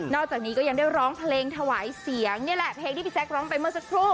อกจากนี้ก็ยังได้ร้องเพลงถวายเสียงนี่แหละเพลงที่พี่แจ๊คร้องไปเมื่อสักครู่